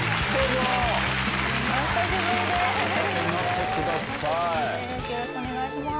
よろしくお願いします。